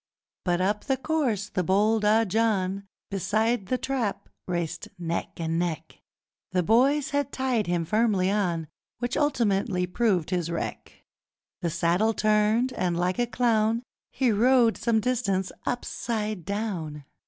But up the course the bold Ah John Beside The Trap raced neck and neck: The boys had tied him firmly on, Which ultimately proved his wreck, The saddle turned, and, like a clown, He rode some distance upside down.